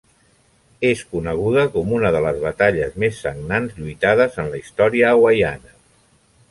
És coneguda com una de les batalles més sagnants lluitades en la història hawaiana.